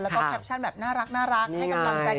แล้วก็แคปชั่นแบบน่ารักให้กำลังใจกัน